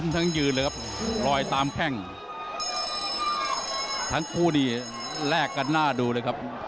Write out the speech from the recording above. ทั้ง๒สาธารณะดูเลยครับ